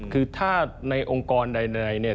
คือถ้าในองค์กรใน